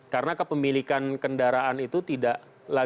karena kepemilikan kendaraan itu juga sudah cukup tidak perlu punya pool yang